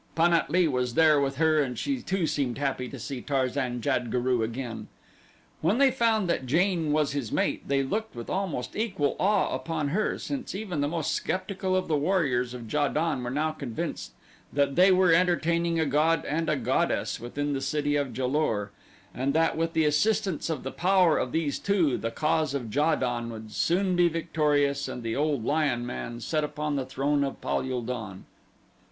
Pan at lee was there with her and she too seemed happy to see Tarzan jad guru again. When they found that Jane was his mate they looked with almost equal awe upon her, since even the most skeptical of the warriors of Ja don were now convinced that they were entertaining a god and a goddess within the city of Ja lur, and that with the assistance of the power of these two, the cause of Ja don would soon be victorious and the old Lion man set upon the throne of Pal ul don.